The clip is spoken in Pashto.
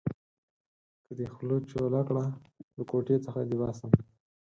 که دې خوله چوله کړه؛ له کوټې څخه دې باسم.